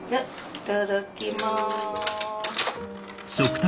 いただきます。